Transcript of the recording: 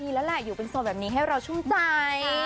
แล้วแหละอยู่เป็นโซนแบบนี้ให้เราชุ่มใจ